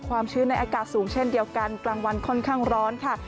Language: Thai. ชื้นในอากาศสูงเช่นเดียวกันกลางวันค่อนข้างร้อนค่ะ